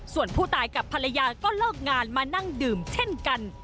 ส่วนผู้ตายกับภรรยาก็เลิกงานมานั่งดื่มเช่นกัน